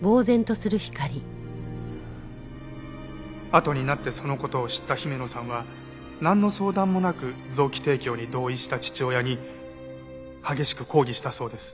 あとになってその事を知った姫野さんはなんの相談もなく臓器提供に同意した父親に激しく抗議したそうです。